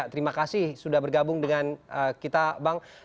terima kasih sudah bergabung dengan kita bang